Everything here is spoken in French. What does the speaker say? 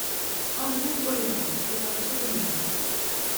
Andrew Holleran est un pseudonyme.